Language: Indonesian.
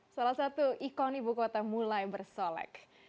salah satu ikon ibu kota mulai bersolek